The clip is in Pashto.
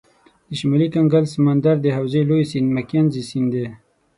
د شمالي کنګل سمندر د حوزې لوی سیند مکنزي سیند دی.